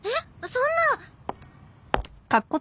そんな。